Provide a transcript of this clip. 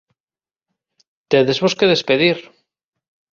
Tédesvos que despedir.